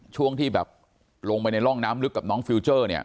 ช่วงที่แบบลงไปในร่องน้ำลึกกับน้องฟิลเจอร์เนี่ย